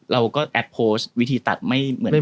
เราก็แอปโพสต์วิธีตัดไม่เหมือนเดิม